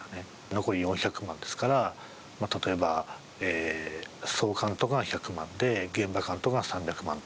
残り４００万円ですから例えば、総監督が１００万円で現場監督が３００万円。